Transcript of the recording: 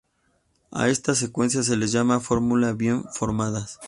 A estas secuencias se las llama fórmulas bien formadas.